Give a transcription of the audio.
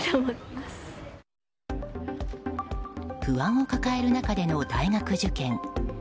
不安を抱える中での大学受験。